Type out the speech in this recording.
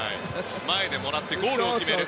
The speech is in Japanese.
前でもらってゴールを決める。